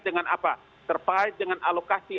dengan apa terkait dengan alokasi